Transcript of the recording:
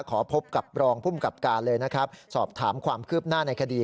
ขอพบกับรองภูมิกับการเลยนะครับสอบถามความคืบหน้าในคดี